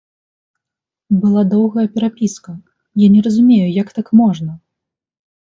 Была доўгая перапіска, я не разумею, як так можна.